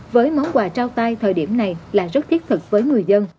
với món quà trao tay thời điểm này là rất thiết thực với người dân